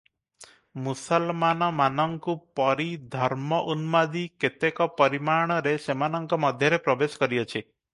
ମୁସଲମାନମାନଙ୍କୁ ପରି ଧର୍ମଉନ୍ମାଦି କେତେକ ପରିମାଣରେ ସେମାନଙ୍କ ମଧ୍ୟରେ ପ୍ରବେଶ କରିଅଛି ।